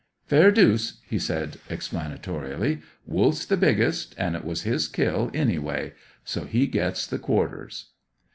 "Fair doos," he said explanatorily. "Wolf's the biggest; and it was his kill, anyway; so he gets the quarters."